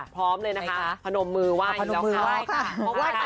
พร้อมเลยนะคะพนมมือไหว้อีกแล้วค่ะ